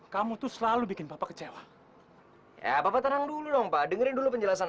kamu tuh selalu bikin bapak kecewa ya bapak tenang dulu dong pak dengerin dulu penjelasan